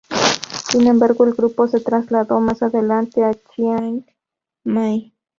Sin embargo, el grupo se trasladó, más adelante, a Chiang Mai.